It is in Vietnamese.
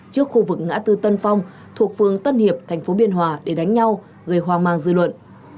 trước khu vực ngã tư tân phong thuộc phường tân hiệp tp biên hòa để đánh nhau gây hoang mang dư luận